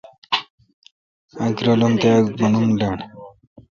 اک رالم تہ اک بونم ڈنڈ۔